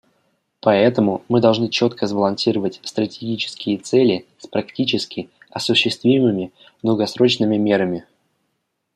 Поэтому мы должны четко сбалансировать стратегические цели с практически осуществимыми долгосрочными мерами.